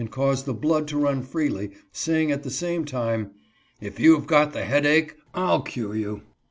caused the blood to run freely, saying at the same time, " If you have got the headache I'll cure you."